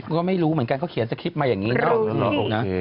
ก็ไม่รู้เหมือนกันเขาเขียนสกริปมาอย่างนี้นะ